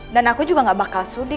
aku juga gak bakal sudi